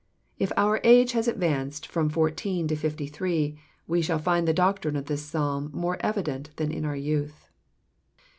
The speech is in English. If our age has ad vanced from fourteen to fifiy4hree, we shall find the doctrine of this Psalm more evident than in our youth.